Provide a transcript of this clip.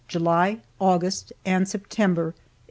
JULY, AUGUST, AND SEPTEMBER, 1862.